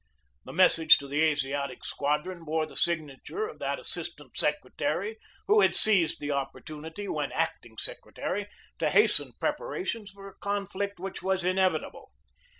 The message to the Asiatic Squadron bore the signature of that assistant secretary who had seized the opportunity, while acting secretary, to hasten preparations for a conflict which was inevitable.